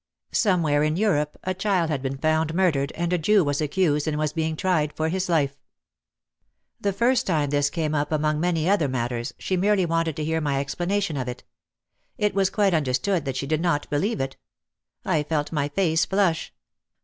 Somewhere in Europe a child had been found murdered and a Jew was accused and was being tried for his life. The first time this came up among many other mat ters, she merely wanted to hear my explanation of it; it was quite understood that she did not believe it. I felt my face flush.